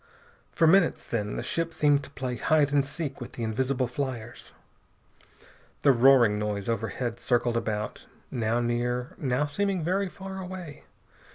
For minutes, then, the ship seemed to play hide and seek with the invisible fliers. The roaring noise overhead circled about, now near, now seeming very far away.